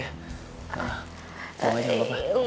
buang aja gak apa apa